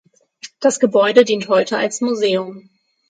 Das Gebäude dient heute als Museum.